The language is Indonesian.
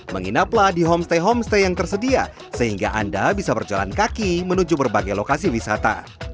menginaplah di homestay homestay yang tersedia sehingga anda bisa berjalan kaki menuju berbagai lokasi wisata